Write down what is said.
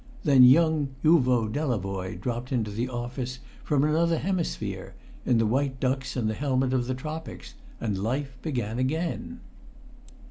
Then young Uvo Delavoye dropped into the office from another hemisphere, in the white ducks and helmet of the tropics. And life began again.